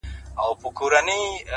دا څه معلومه ده ملگرو که سبا مړ سوم _